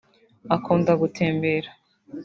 Akunda gutembera